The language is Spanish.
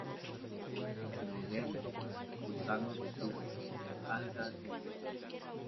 Equinodermos, gusanos de tubo, algas y otros peces.